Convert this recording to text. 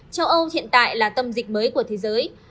châu âu hiện tại là tâm dịch mới của thế giới